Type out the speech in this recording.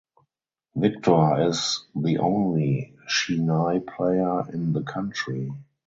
Victor is the only Shehnai player in the country.